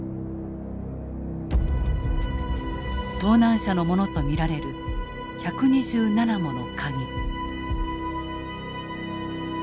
盗難車のものと見られる１２７もの鍵。